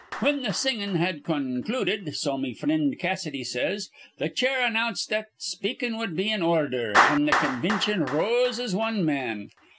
"Whin th' singin' had con cluded, so me frind Cassidy says, th' chair announced that speakin' would be in ordher, an' th' convintion rose as wan man.